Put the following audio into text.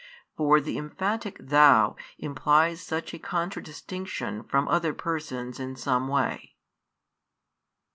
For the emphatic Thou implies such a contradistinction from other persons in some way.